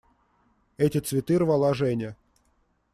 Эти цветы рвала Женя.